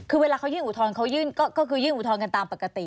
คือเวลาเขายื่นอุทธรณ์เขายื่นก็คือยื่นอุทธรณ์กันตามปกติ